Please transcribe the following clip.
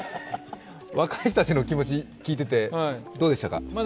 若い人たちの気持ち聞いててどうでしたか？